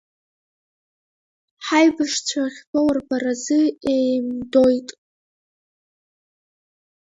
Ҳаибашьцәа ахьтәоу рбаразы еимдоит.